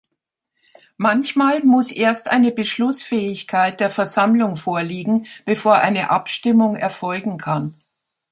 Manchmal muss erst eine Beschlussfähigkeit der Versammlung vorliegen, bevor eine Abstimmung erfolgen kann.